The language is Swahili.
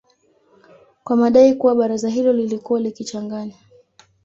kwa madai kuwa baraza hilo lilikuwa likichanganya